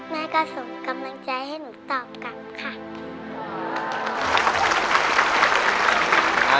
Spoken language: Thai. แม่ก็ส่งกำลังใจให้หนูตอบกลับค่ะ